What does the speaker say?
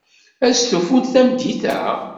Ad stufunt tameddit-a?